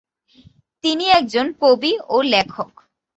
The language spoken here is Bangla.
তিনি একজন কবি ও লেখক।